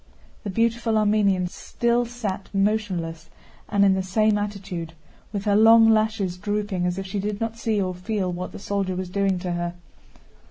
The beautiful Armenian still sat motionless and in the same attitude, with her long lashes drooping as if she did not see or feel what the soldier was doing to her.